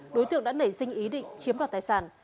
đối tượng đã nảy sinh ý định chiếm đoạt tài sản